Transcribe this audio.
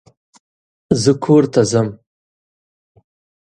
زه کور ته ځم.